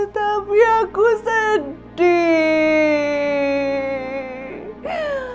tapi aku sedih